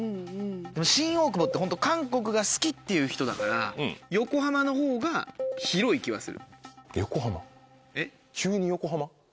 でも新大久保ってホント韓国が好きっていう人だから横浜のほうが広い気はする。